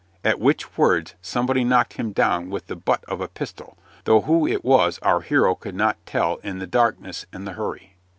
at which words somebody knocked him down with the butt of a pistol, though who it was our hero could not tell in the darkness and the hurry.